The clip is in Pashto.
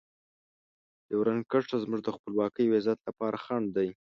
ډیورنډ کرښه زموږ د خپلواکۍ او عزت لپاره خنډ دی.